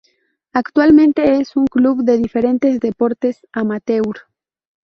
Actualmente es un club de diferentes deportes amateur.